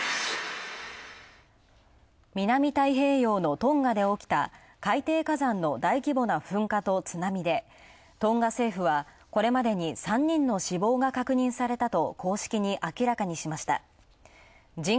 南太平洋のトンガで起きた、海底火山の大規模な噴火と津波でトンガ政府はこれまでに３人の死亡が確認されたと公式に明らかにしました。